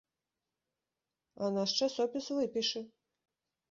А наш часопіс выпішы!